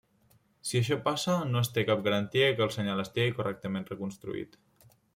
Si això passa, no es té cap garantia que el senyal estigui correctament reconstruït.